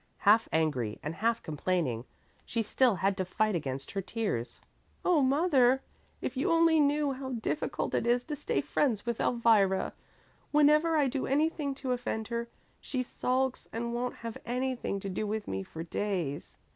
Half angry and half complaining, she still had to fight against her tears. "Oh, mother, if you only knew how difficult it is to stay friends with Elvira. Whenever I do anything to offend her, she sulks and won't have anything to do with me for days.